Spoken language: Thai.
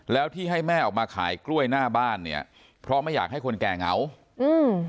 แล้วที่ให้แม่ออกมาขายกล้วยหน้าบ้านเนี่ยเพราะไม่อยากให้คนแก่เหงาอืม